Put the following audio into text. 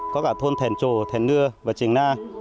có cả thôn thèn trồ thèn nưa và triềng na